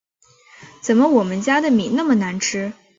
怎么我们家的米那么难吃